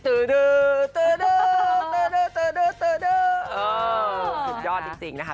สุดยอดจริงนะคะ